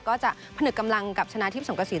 ก็จะผนึกกำลังกับชนะทีพสมกษี